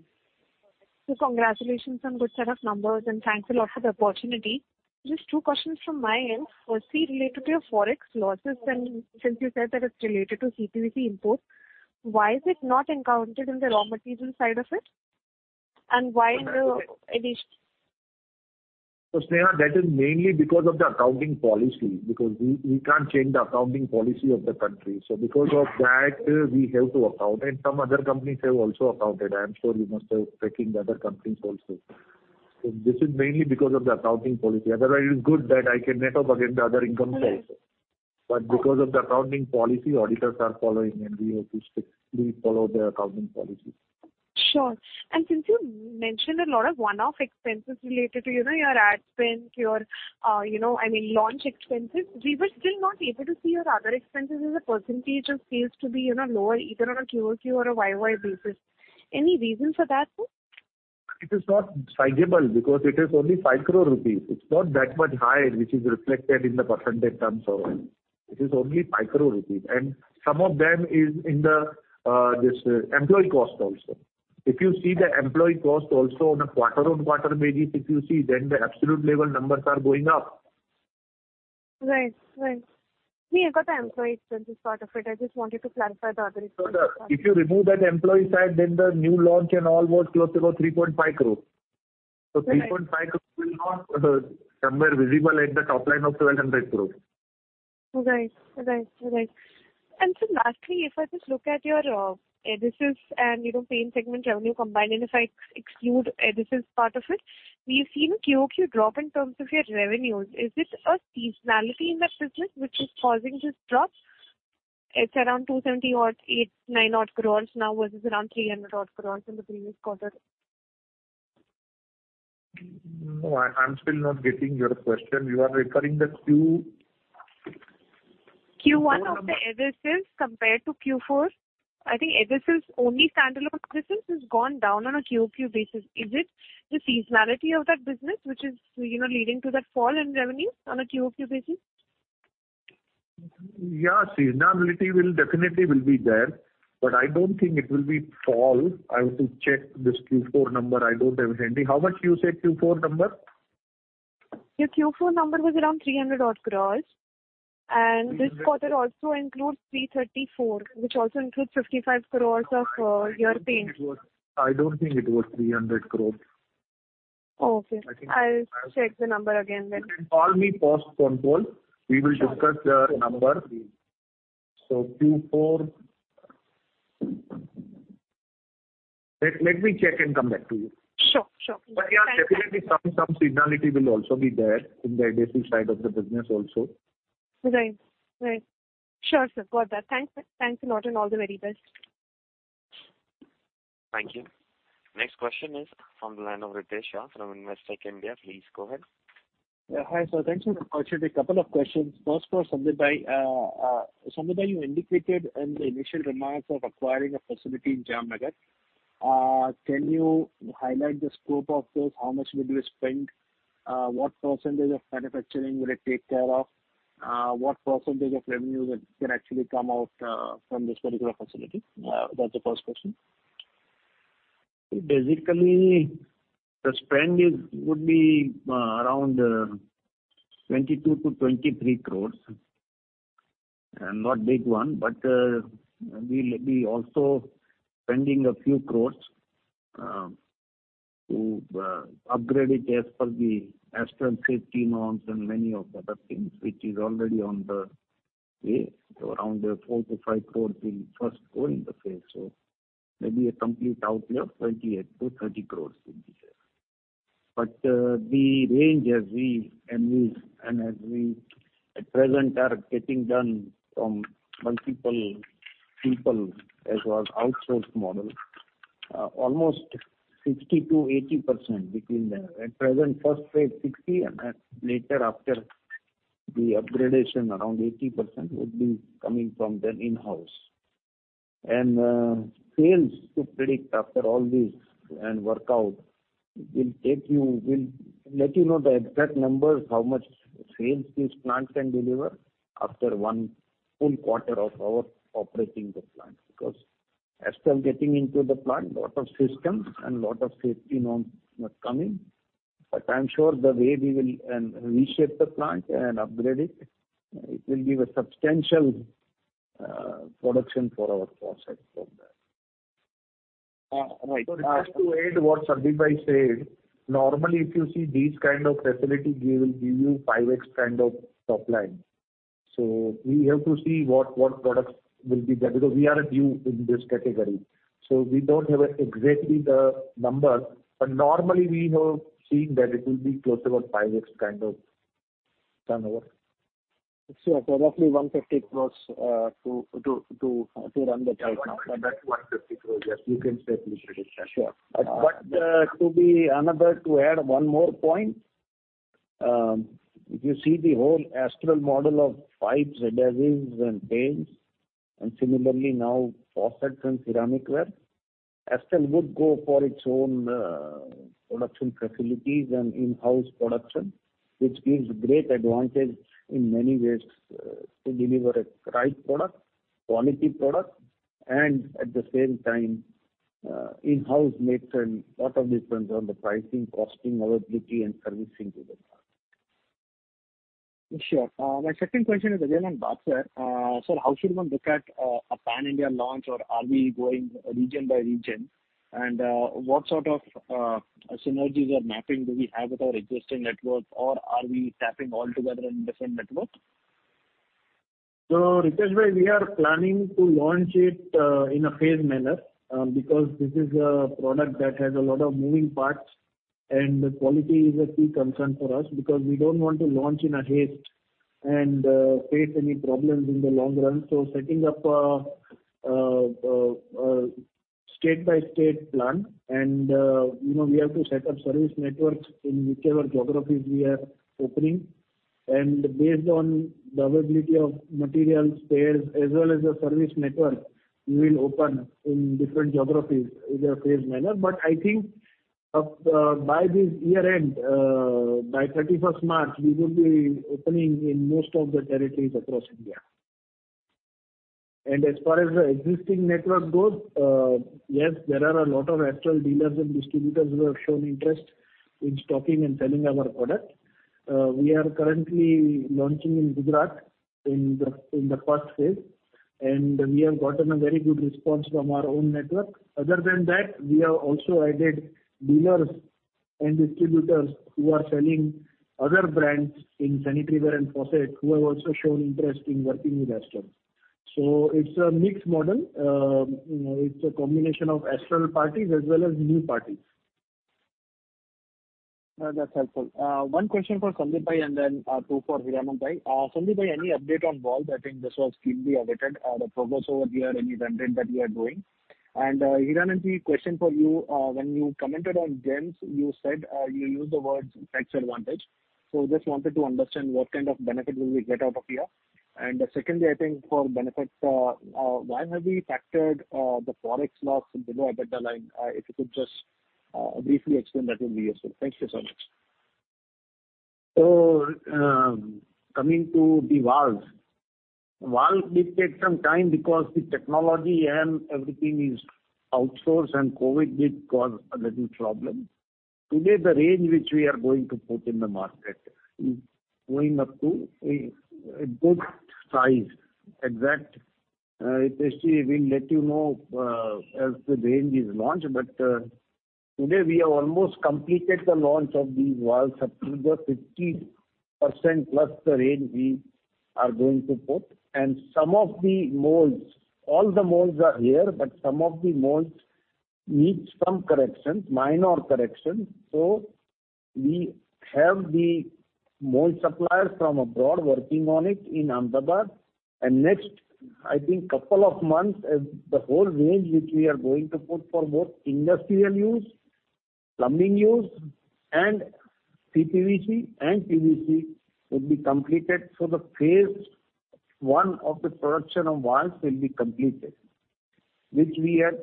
Congratulations on good set of numbers, and thanks a lot for the opportunity. Just two questions from my end. Firstly, related to your forex losses, and since you said that it's related to CPVC imports, why is it not accounted in the raw material side of it? Why the addition- Sneha, that is mainly because of the accounting policy, because we can't change the accounting policy of the country. Because of that, we have to account, and some other companies have also accounted. I am sure you must have checked the other companies also. This is mainly because of the accounting policy. Otherwise, it is good that I can make up again the other income side. Right. Because of the accounting policy auditors are following, and we have to strictly follow their accounting policy. Sure. Since you mentioned a lot of one-off expenses related to, you know, your ad spend, your, you know, I mean, launch expenses, we were still not able to see your other expenses as a percentage. It seems to be, you know, lower either on a QOQ or a YOY basis. Any reason for that, sir? It is not sizable because it is only 5 crore rupees. It's not that much high which is reflected in the percentage terms of it. It is only 5 crore rupees. Some of them is in the employee cost also. If you see the employee cost also on a quarter-on-quarter basis, if you see, then the absolute level numbers are going up. Right. Yeah, I got the employee expenses part of it. I just wanted to clarify the other expenses part. If you remove that employee side, then the new launch and all was close to about 3.5 crore. Right. 3.5 crore will not somewhere visible at the top line of 1,200 crore. Right. Sir, lastly, if I just look at your adhesives and, you know, paint segment revenue combined, and if I exclude adhesives part of it, we've seen a QOQ drop in terms of your revenues. Is this a seasonality in that business which is causing this drop? It's around 270-odd, 89-odd crores now versus around 300-odd crores in the previous quarter. No, I'm still not getting your question. You are referring to the Q- Q1 of the adhesives compared to Q4. I think adhesives only standalone business has gone down on a QOQ basis. Is it the seasonality of that business which is, you know, leading to that fall in revenue on a QOQ basis? Yeah, seasonality will definitely be there, but I don't think it will be a fall. I have to check this Q4 number. I don't have it handy. How much you say Q4 number? Your Q4 number was around 300 odd crore. This quarter also includes 334, which also includes 55 crore of your paint. I don't think it was 300 crore. Okay. I think. I'll check the number again then. You can call me post-call. We will discuss the number. Q4. Let me check and come back to you. Sure. Sure. Yeah, definitely some seasonality will also be there in the adhesive side of the business also. Right. Sure, sir. Got that. Thanks. Thanks a lot and all the very best. Thank you. Next question is from the line of Ritesh Shah from Investec India. Please go ahead. Yeah. Hi, sir. Thanks for the opportunity. A couple of questions. First for Sandeep bhai. Sandeep bhai, you indicated in the initial remarks of acquiring a facility in Jamnagar. Can you highlight the scope of this? How much will you spend? What percentage of manufacturing will it take care of? What percentage of revenue that can actually come out from this particular facility? That's the first question. Basically, the spend would be around 22-23 crores. Not big one, but we'll be also spending a few crores to upgrade it as per the Astral safety norms and many of the other things which is already on the way. Around four to five crores will first go in the phase. Maybe a complete outlay of 28-30 crores will be there. The range as we envisage and as we at present are getting done from multiple people as our outsource model, almost 60%-80% between the at present first phase 60, and at later after the up-gradation around 80% would be coming from the in-house. Sales to predict after all this and work out will let you know the exact numbers, how much sales this plant can deliver after one full quarter of our operating the plant. Because Astral getting into the plant, lot of systems and lot of safety norms were coming. I'm sure the way we will reshape the plant and upgrade it will give a substantial production for our faucet from there. Right. Just to add to what Sandeep bhai said, normally if you see these kind of facility, they will give you 5x kind of top line. We have to see what products will be there, because we are new in this category, so we don't have exactly the numbers. Normally we have seen that it will be close about 5x kind of turnover. Sure. Roughly 150 crore to run the plant. That 150 crores, yes, you can say it. Sure. To add one more point. If you see the whole Astral model of pipes, adhesives and paints, and similarly now faucets and ceramic ware, Astral would go for its own production facilities and in-house production, which gives great advantage in many ways to deliver a right product, quality product, and at the same time, in-house makes a lot of difference on the pricing, costing, availability and servicing to the customer. Sure. My second question is again on bathware. Sir, how should one look at a pan-India launch, or are we going region by region? What sort of synergies or mapping do we have with our existing network? Are we tapping all together in different networks? Ritesh bhai, we are planning to launch it in a phased manner, because this is a product that has a lot of moving parts and quality is a key concern for us because we don't want to launch in a haste and face any problems in the long run. Setting up a state by state plan and you know, we have to set up service networks in whichever geographies we are opening. Based on the availability of material spares as well as the service network, we will open in different geographies in a phased manner. I think by this year end, by thirty-first March, we will be opening in most of the territories across India. As far as the existing network goes, yes, there are a lot of Astral dealers and distributors who have shown interest in stocking and selling our product. We are currently launching in Gujarat in the first phase, and we have gotten a very good response from our own network. Other than that, we have also added dealers and distributors who are selling other brands in sanitary ware and faucet who have also shown interest in working with Astral. It's a mixed model. You know, it's a combination of Astral parties as well as new parties. No, that's helpful. One question for Sandeep bhai and then two for Hiranand bhai. Sandeep bhai, any update on valves? I think this was keenly awaited. The progress over here, any venture that you are doing. Hiranandji, question for you. When you commented on Gem Paints, you said you used the word tax advantage. Just wanted to understand what kind of benefit will we get out of here. Secondly, I think in the financials, why have we factored the Forex loss below EBITDA line? If you could just briefly explain that will be useful. Thank you so much. Coming to the valve. Valve did take some time because the technology and everything is outsourced and COVID did cause a little problem. Today, the range which we are going to put in the market is going up to a good size. Exactly, Riteshji, we'll let you know as the range is launched. Today we have almost completed the launch of these valves up to the 50% plus the range we are going to put. Some of the molds, all the molds are here, but some of the molds needs some corrections, minor corrections. We have the mold suppliers from abroad working on it in Ahmedabad. Next, I think couple of months as the whole range which we are going to put for both industrial use, plumbing use and CPVC and PVC will be completed. The phase I of the production of valves will be completed, which we have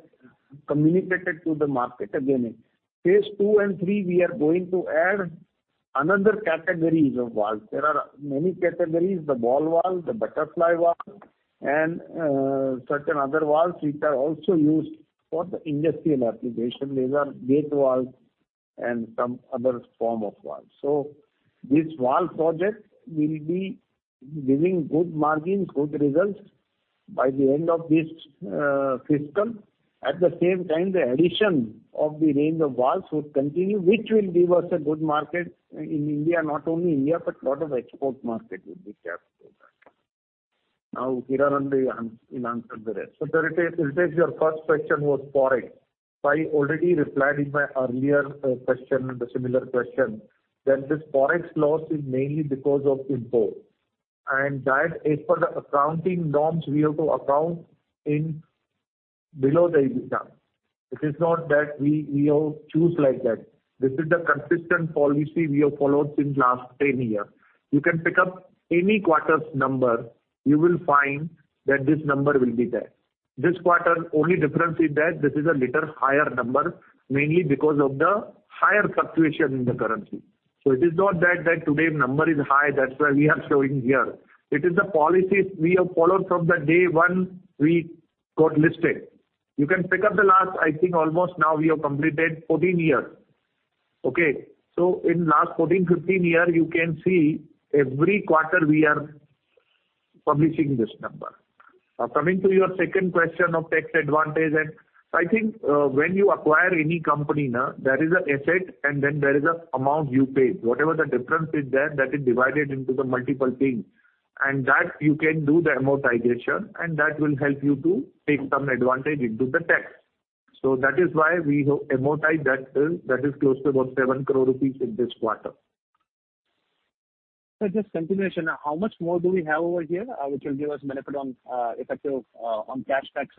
communicated to the market again. Phase II and III, we are going to add another categories of valves. There are many categories, the ball valve, the butterfly valve, and certain other valves which are also used for the industrial application. These are gate valves and some other form of valves. This valve project will be giving good margins, good results by the end of this fiscal. At the same time, the addition of the range of valves would continue, which will give us a good market in India. Not only India, but lot of export market will be tapped for that. Now, Hiranand Bhai will answer the rest. Ritesh, your first question was Forex. I already replied in my earlier question, the similar question, that this Forex loss is mainly because of import. That as per the accounting norms, we have to account below the EBITDA. It is not that we have chosen like that. This is the consistent policy we have followed since last 10 years. You can pick up any quarter's number, you will find that this number will be there. This quarter, only difference is that this is a little higher number, mainly because of the higher fluctuation in the currency. It is not that this number is high, that's why we are showing here. It is the policy we have followed from the day one we got listed. You can pick up the last, I think almost now we have completed 14 years. Okay? In last 14, 15 years, you can see every quarter we are publishing this number. Now, coming to your second question of tax advantage. I think when you acquire any company now, there is an asset and then there is an amount you pay. Whatever the difference is there, that is divided into the multiple thing, and that you can do the amortization, and that will help you to take some advantage into the tax. That is why we have amortized that bill that is close to about 7 crore rupees in this quarter. Just continuation, how much more do we have over here, which will give us benefit on effective cash tax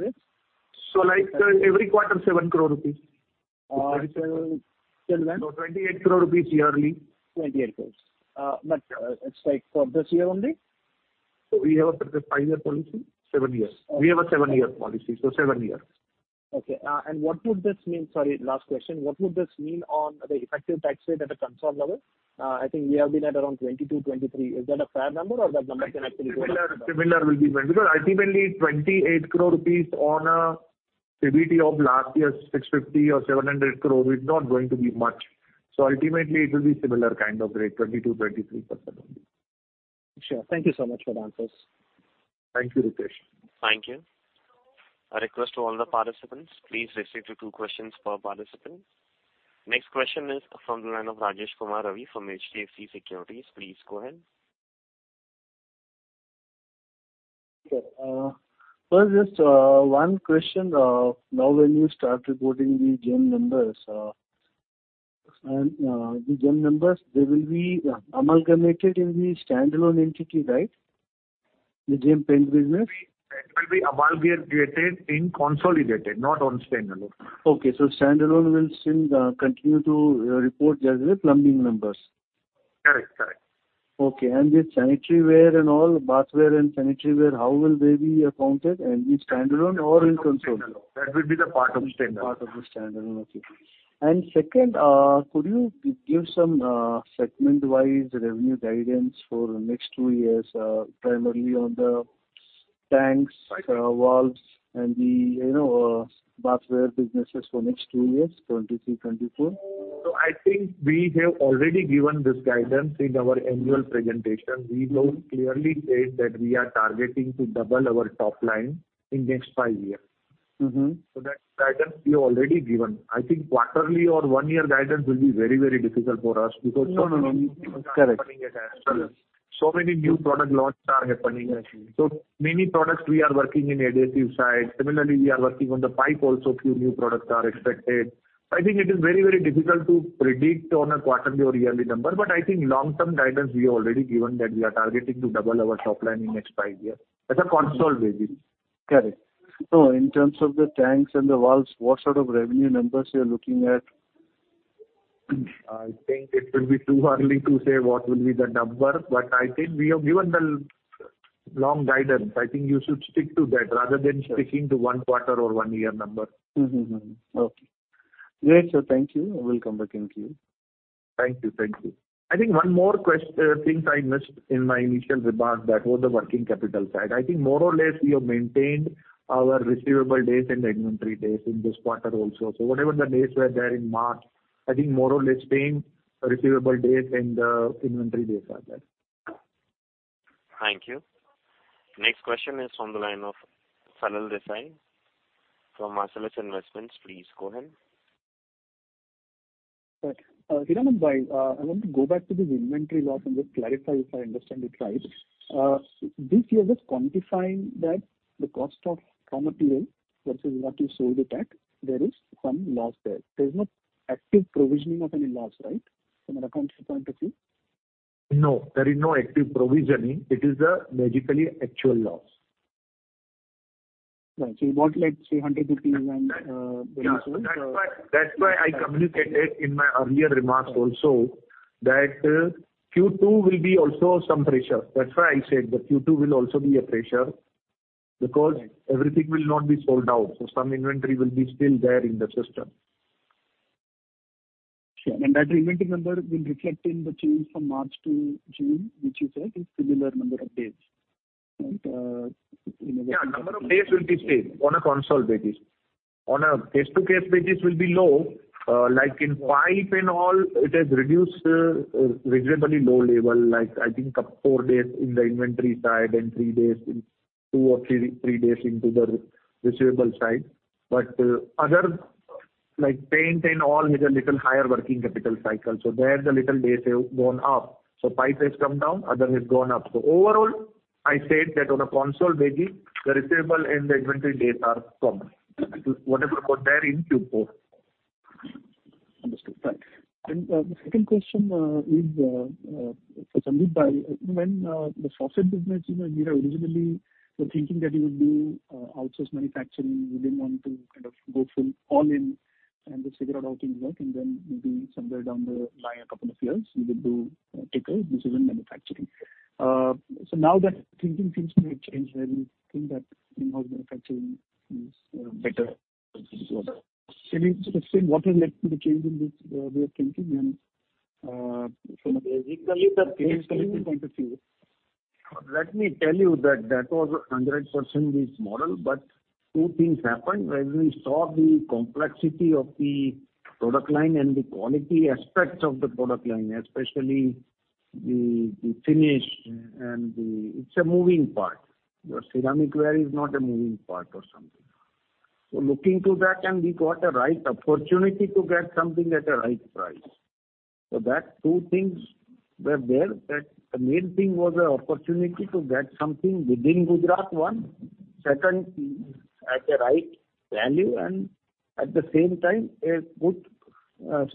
rates? Like, every quarter 7 crore rupees. Till when? 28 crore rupees yearly. 28 crore. It's like for this year only? We have a five-year policy. seven years. Okay. We have a seven-year policy, so seven years. Sorry, last question. What would this mean on the effective tax rate at a consolidated level? I think we have been at around 22%-23%. Is that a fair number or that number can actually go up? Similar will be maintained. Because ultimately 28 crore rupees on a PBT of last year's 650 crore or 700 crore is not going to be much. Ultimately it will be similar kind of rate, 22%-23% only. Sure. Thank you so much for the answers. Thank you, Ritesh. Thank you. A request to all the participants, please restrict to two questions per participant. Next question is from the line of Rajesh Kumar Ravi from HDFC Securities. Please go ahead. Okay. First, just one question, now when you start reporting the Gem numbers, they will be amalgamated in the standalone entity, right? The Gem Paints business? It will be amalgamated in consolidated, not on standalone. Okay. Standalone will still continue to report just the plumbing numbers. Correct. Correct. Okay. The sanitary ware and all, bathware and sanitary ware, how will they be accounted? In standalone or in consolidated? Standalone. That will be the part of standalone. Part of the standalone. Okay. Second, could you give some segment-wise revenue guidance for next two years, primarily on the tanks, valves, and the, you know, bathware businesses for next two years, 2023, 2024? I think we have already given this guidance in our annual presentation. We have clearly said that we are targeting to double our top line in next five years. Mm-hmm. That guidance we have already given. I think quarterly or one-year guidance will be very, very difficult for us because. No, no. Many new things are happening at our end. Correct. Correct. Many new product launch are happening actually. Many products we are working in adhesive side. Similarly, we are working on the pipe also, few new products are expected. I think it is very, very difficult to predict on a quarterly or yearly number. I think long-term guidance we have already given that we are targeting to double our top line in next five years as a consolidated basis. Correct. In terms of the tanks and the valves, what sort of revenue numbers you're looking at? I think it will be too early to say what will be the number, but I think we have given the long guidance. I think you should stick to that rather than sticking to one quarter or one year number. Okay. Great, sir. Thank you. I will come back in queue. Thank you. Thank you. I think one more things I missed in my initial remarks, that was the working capital side. I think more or less we have maintained our receivable days and inventory days in this quarter also. Whatever the days were there in March, I think more or less same receivable days and inventory days are there. Thank you. Next question is from the line of Salil Desai Marcellus Investment. please go ahead. Right. Hiranand Bhai, I want to go back to this inventory loss and just clarify if I understand it right. This year just quantifying that the cost of raw material versus what you sold it at, there is some loss there. There's no active provisioning of any loss, right? From an accounting point of view. No, there is no active provisioning. It is basically an actual loss. Right. You bought like say 100 and then you sold- Yeah. That's why I communicated in my earlier remarks also that Q2 will be also some pressure. That's why I said that Q2 will also be a pressure because everything will not be sold out. Some inventory will be still there in the system. Sure. That inventory number will reflect in the change from March to June, which you said is similar number of days. In other- Number of days will be same on a consolidated basis. On a case-by-case basis will be low. Like in pipe and all, it has reduced reasonably low level, like I think by four days in the inventory side and three days in the receivable side. Other like paint and all is a little higher working capital cycle, so there the little days have gone up. Pipe has come down, other has gone up. Overall, I said that on a consolidated basis, the receivable and the inventory days are similar to whatever was there in Q4. Right. The second question is for Sandeep-bhai. When the faucet business, you know, you had originally were thinking that you would do outsourced manufacturing. You didn't want to kind of go full all in and just figure out how things work and then maybe somewhere down the line, a couple of years, you would do take a decision manufacturing. So now that thinking seems to have changed, and you think that in-house manufacturing is better. So can you sort of say what has led to the change in this way of thinking and from a basically point of view? Let me tell you that was 100% this model, but two things happened. When we saw the complexity of the product line and the quality aspects of the product line, especially the finish and the. It's a moving part. Your ceramic ware is not a moving part or something. So looking to that, and we got a right opportunity to get something at the right price. That two things were there, that the main thing was the opportunity to get something within Gujarat, one. Second, at the right value and at the same time, a good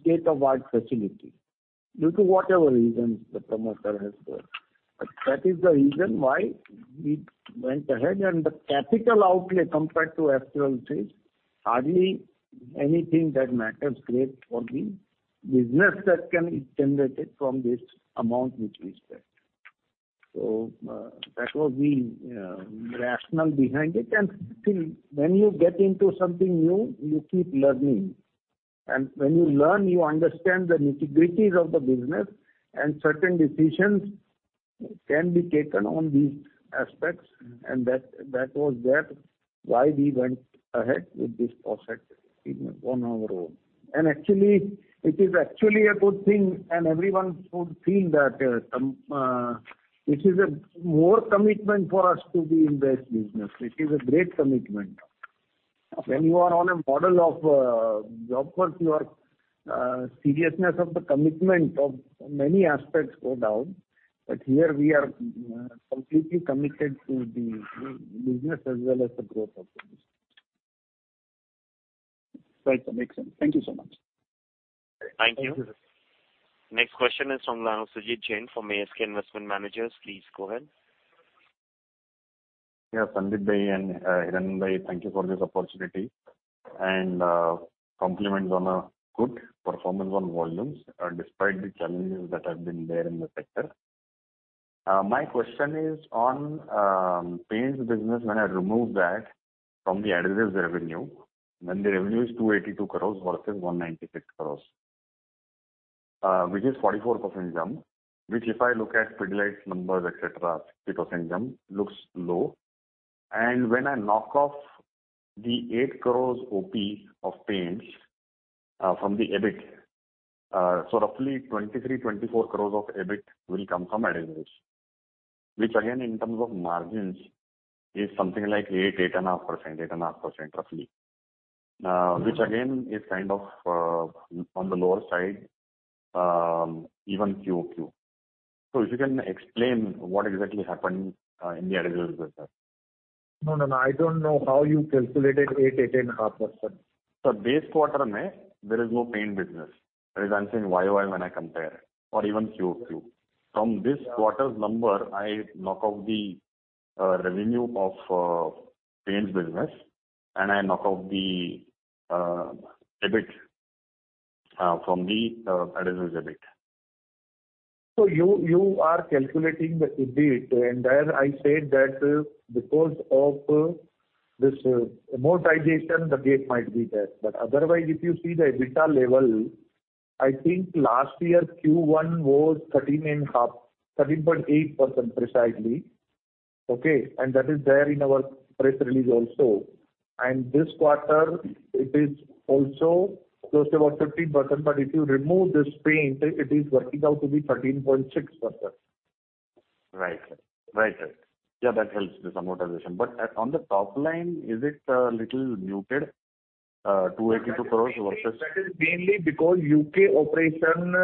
state-of-the-art facility, due to whatever reasons the promoter has said. That is the reason why we went ahead and the capital outlay compared to actual sales, hardly anything that matters great for the business that can be generated from this amount which we spent. That was the rationale behind it. Still, when you get into something new, you keep learning. When you learn, you understand the nitty-gritties of the business, and certain decisions can be taken on these aspects, and that was there why we went ahead with this faucet business on our own. Actually, it is actually a good thing, and everyone should feel that, some, it is a more commitment for us to be in this business. It is a great commitment. When you are on a model of job work, your seriousness of the commitment of many aspects go down. Here we are, completely committed to the business as well as the growth of the business. Right. That makes sense. Thank you so much. Thank you. Thank you. Next question is from Sumit Jain from ASK Investment Managers. Please go ahead. Yeah, Sandeep-bhai and Hiranand-bhai, thank you for this opportunity and compliments on a good performance on volumes despite the challenges that have been there in the sector. My question is on paints business. When I remove that from the adhesives revenue, the revenue is 282 crores versus 196 crores, which is 44% jump, which if I look at Pidilite's numbers, et cetera, 60% jump, looks low. When I knock off the 8 crores OP of paints from the EBIT, so roughly 23-24 crores of EBIT will come from adhesives, which again, in terms of margins is something like 8.5% roughly. Which again is kind of on the lower side, even QoQ. If you can explain what exactly happened in the adhesives business? No, no. I don't know how you calculated 8.5%. Sir, base quarter there is no paint business. That is, I'm saying YoY when I compare or even QoQ. From this quarter's number, I knock off the revenue of paints business and I knock off the EBIT from the adhesives EBIT. You are calculating the EBIT, and there I said that because of this amortization, the gap might be there. Otherwise if you see the EBITDA level, I think last year's Q1 was 13.5, 13.8% precisely. Okay. That is there in our press release also. This quarter it is also close to about 15%. If you remove this paint, it is working out to be 13.6%. Right, sir. Yeah, that helps this amortization. On the top line, is it a little muted, 282 crores versus- That is mainly because UK operation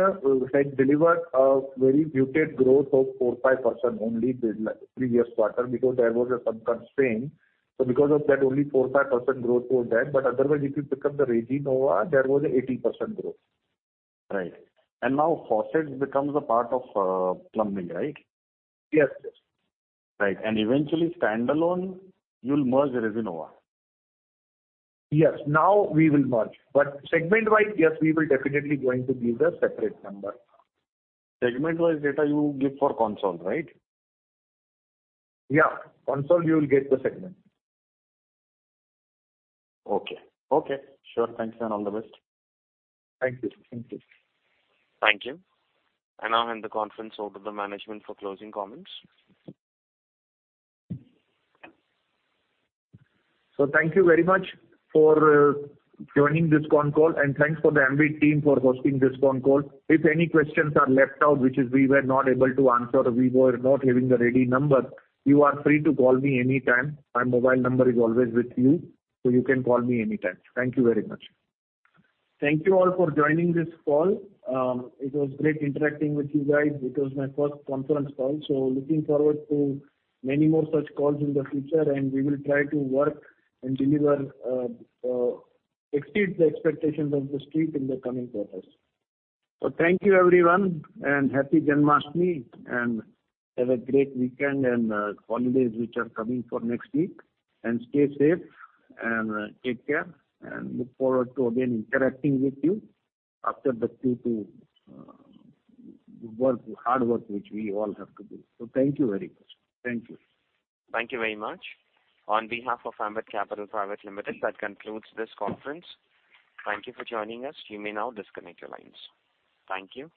had delivered a very muted growth of 4%-5% only this last previous quarter because there was some constraint. Because of that only 4%-5% growth was there. Otherwise if you pick up the Resinova, there was 80% growth. Right. Now faucets becomes a part of, plumbing, right? Yes, yes. Right. Eventually standalone you'll merge Resinova. Yes. Now we will merge. Segment-wise, yes, we will definitely going to give the separate number. Segment-wise data you give for consolidated, right? Yeah. You'll get the segment. Okay. Sure. Thanks and all the best. Thank you. Thank you. Thank you. I now hand the conference over to management for closing comments. Thank you very much for joining this con call, and thanks for the Ambit team for hosting this con call. If any questions are left out, which is we were not able to answer, we were not having the ready number, you are free to call me anytime. My mobile number is always with you, so you can call me anytime. Thank you very much. Thank you all for joining this call. It was great interacting with you guys. It was my first conference call, so looking forward to many more such calls in the future, and we will try to work and deliver, exceed the expectations of the street in the coming quarters. Thank you everyone and happy Janmashtami, and have a great weekend and holidays which are coming for next week. Stay safe and take care and look forward to again interacting with you after the Q2 work, hard work which we all have to do. Thank you very much. Thank you. Thank you very much. On behalf of Ambit Capital Private Limited, that concludes this conference. Thank you for joining us. You may now disconnect your lines. Thank you.